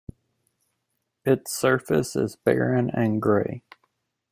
Its surface is barren, and gray.